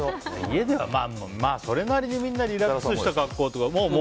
家では、それなりにみんなリラックスした格好というか。